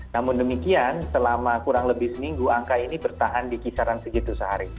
namun demikian selama kurang lebih seminggu angka ini bertahan di kisaran segitu sehari